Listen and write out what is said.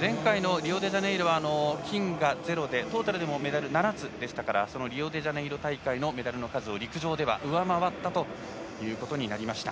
前回のリオデジャネイロは金がゼロでトータルでもメダル７つでしたからリオデジャネイロ大会のメダルの数を陸上では上回ったということになりました。